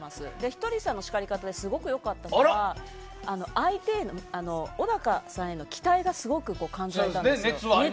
ひとりさんの叱り方ですごく良かったのが小高さんへの期待が感じられたんですよ。